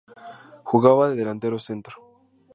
Jugaba de delantero centro.